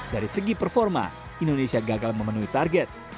dari segi performa indonesia gagal memenuhi target